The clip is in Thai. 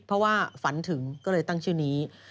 เพราะว่าฝันถึงก็เลยตั้งชื่อนี้